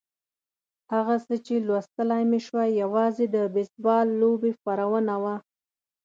هغه څه چې لوستلای مې شوای یوازې د بېسبال لوبې خبرونه وو.